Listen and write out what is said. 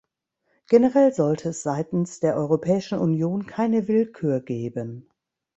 Generell sollte es seitens der Europäischen Union keine Willkür geben.